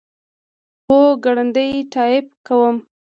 هو، ګړندی ټایپ کوم